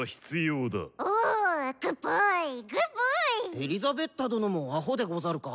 エリザベッタ殿もアホでござるか？